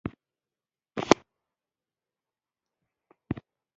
هغه یوازې همدومره لوستلی شو